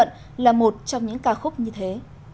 độ nhuận là một trong những ca khúc như thế